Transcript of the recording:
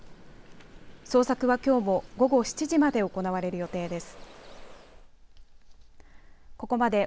捜索は、きょうも午後７時まで行われる予定です。